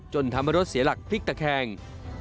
ทำให้รถเสียหลักพลิกตะแคง